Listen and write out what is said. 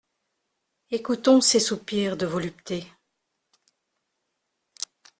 Ecoutons ces soupirs de volupté.